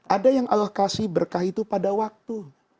ada yang allah kasih berkah itu pada waktu